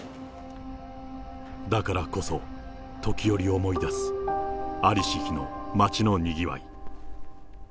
だからこそ、時折思い出す、ありし日の町のにぎわい。